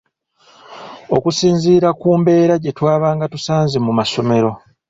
Okusinziira ku mbeera gye twabanga tusanze mu masomero.